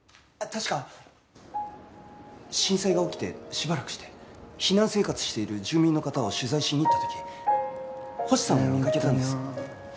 確か震災が起きてしばらくして避難生活している住民の方を取材しに行った時星さんを見かけたんです。